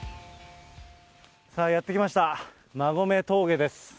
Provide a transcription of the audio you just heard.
さあ、やって来ました、馬籠峠です。